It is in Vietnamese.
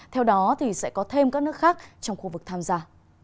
theo đó thì sẽ có thêm các nước khác trong khu vực tham gia